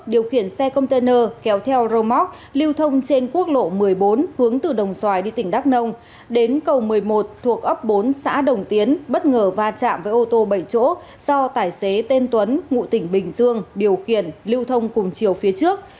điều khiển xe container kéo theo rơ móc lưu thông trên quốc lộ một mươi bốn hướng từ đồng xoài đi tỉnh đắk nông đến cầu một mươi một thuộc ấp bốn xã đồng tiến bất ngờ va chạm với ô tô bảy chỗ do tài xế tên tuấn ngụ tỉnh bình dương điều khiển lưu thông cùng chiều phía trước